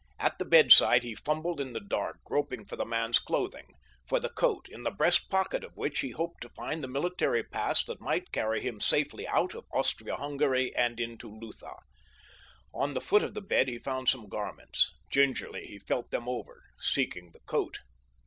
At the bedside he fumbled in the dark groping for the man's clothing—for the coat, in the breastpocket of which he hoped to find the military pass that might carry him safely out of Austria Hungary and into Lutha. On the foot of the bed he found some garments. Gingerly he felt them over, seeking the coat.